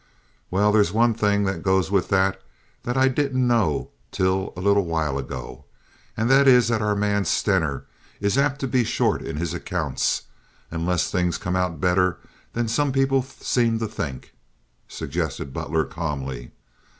"Well, there's one thing that goes with that that I didn't know till a little while ago and that is that our man Stener is apt to be short in his accounts, unless things come out better than some people seem to think," suggested Butler, calmly.